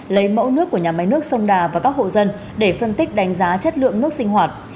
lấy mẫu nước của nhà máy nước sông đà và các hộ dân để phân tích đánh giá chất lượng nước sinh hoạt